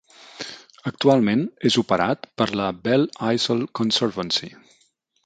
Actualment és operat per la Belle Isle Conservancy.